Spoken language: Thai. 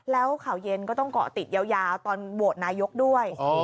แล้วข่าวเย็นก็ต้องเกาะติดยาวตอนโหวตนายกด้วย